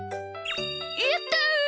やった！